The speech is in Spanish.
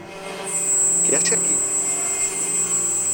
¿ Qué hace aquí ?